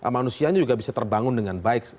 manusianya juga bisa terbangun dengan baik